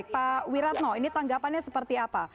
pak wiratno ini tanggapannya seperti apa